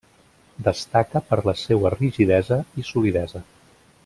Destaca per la seua rigidesa i solidesa.